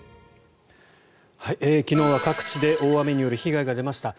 昨日は各地で大雨による被害が出ました。